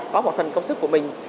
có một phần công sức của mình